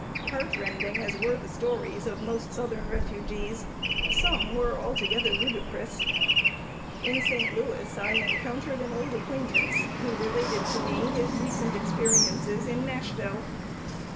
Heart rending as were the stories of most southern refugees, some were altogether ludicrous. In St. Louis, I encountered an old acquaintance who related to me his recent experiences in Nashville.